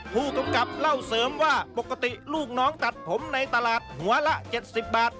ผู้กำกับเล่าเสริมว่าปกติลูกน้องตัดผมในตลาดหัวละ๗๐บาท